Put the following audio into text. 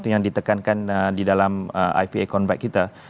yang ditekankan di dalam ipe convect kita